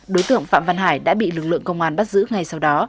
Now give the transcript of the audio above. đối tượng phạm văn hải đã bị lực lượng công an bắt giữ ngay sau đó